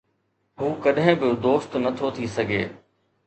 هو ڪڏهن به دوست نٿو ٿي سگهي